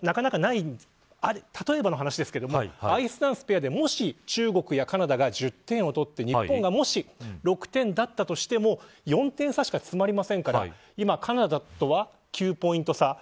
例えばの話ですがアイスダンスペアで、もし中国やカナダが１０点を取って日本がもし６点だったとしても４点差しか詰まりませんから今カナダとは９ポイント差